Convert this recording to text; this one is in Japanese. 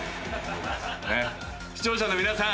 視聴者の皆さん。